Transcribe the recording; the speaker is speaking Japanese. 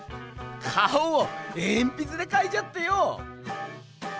顔をえんぴつで描いちゃってよぉ！